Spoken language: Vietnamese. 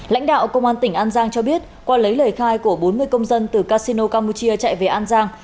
lãnh đạo công an tỉnh an giang cho biết qua lấy lời khai của bốn mươi công dân từ casino campuchia chạy về an giang